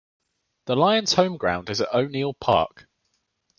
The Lions' home-ground is at O'Neill Park.